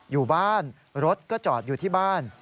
อยู่บ้านรถก็จอดอยู่ที่บ้าน